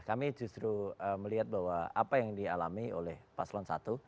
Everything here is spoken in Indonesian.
kami justru melihat bahwa apa yang dialami oleh paslon satu